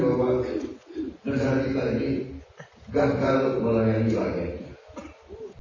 beberapa negara kita ini gagal melayani warganya